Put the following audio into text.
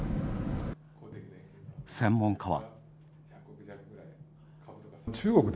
専門家は。